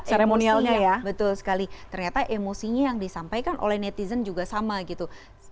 seremonialnya ya betul sekali ternyata emosinya yang disampaikan oleh netizen juga sama gitu